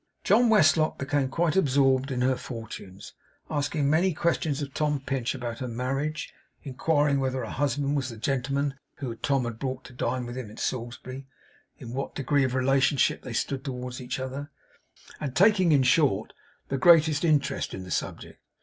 John Westlock became quite absorbed in her fortunes; asking many questions of Tom Pinch about her marriage, inquiring whether her husband was the gentleman whom Tom had brought to dine with him at Salisbury; in what degree of relationship they stood towards each other, being different persons; and taking, in short, the greatest interest in the subject.